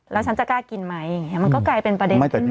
แล้วฉันจะกล้ากินไหมอย่างนี้มันก็กลายเป็นประเด็นขึ้นมา